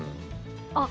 あっ！